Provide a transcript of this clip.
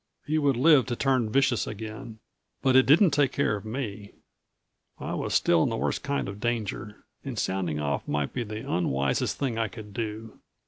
He would live to turn vicious again. But it didn't take care of me. I was still in the worst kind of danger, and sounding off might be the unwisest thing I could do.